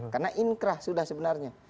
karena inkrah sudah sebenarnya